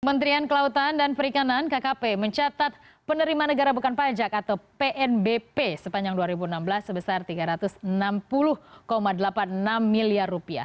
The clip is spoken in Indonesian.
kementerian kelautan dan perikanan kkp mencatat penerimaan negara bukan pajak atau pnbp sepanjang dua ribu enam belas sebesar rp tiga ratus enam puluh delapan puluh enam miliar